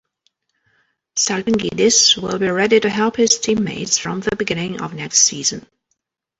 Salpingidis will be ready to help his teammates from the beginning of next season.